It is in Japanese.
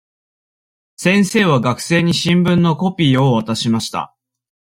先生は学生に新聞のコピーを渡しました。